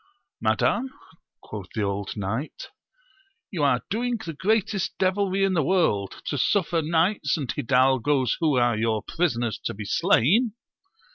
Madam, quoth the old knight, you are doing the greatest devilry in the world, to suffer knights and hidalgos who are your prisoners to be slain.